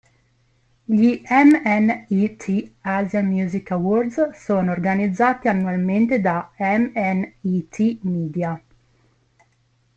Gli Mnet Asian Music Awards sono organizzati annualmente da Mnet Media.